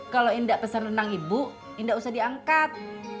kalau indah pesan renang ibu indah usah diangkat